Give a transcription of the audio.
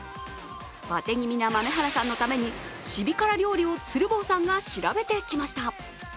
バテ気味な豆原さんのためにシビ辛料理を鶴房さんが調べてきました。